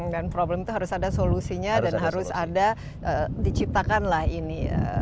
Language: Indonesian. problem itu harus ada solusinya dan harus ada diciptakanlah ini